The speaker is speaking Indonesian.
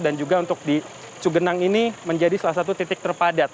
dan juga untuk di sugenang ini menjadi salah satu titik terpadat